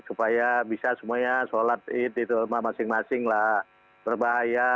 supaya bisa semuanya sholat id itu masing masinglah berbahaya